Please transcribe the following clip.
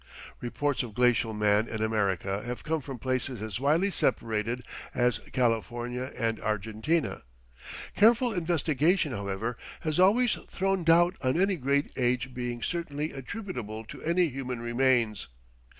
Reports of glacial man in America have come from places as widely separated as California and Argentina. Careful investigation, however, has always thrown doubt on any great age being certainly attributable to any human remains.